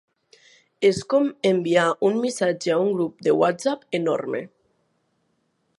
És com enviar un missatge a un grup de whatsapp enorme.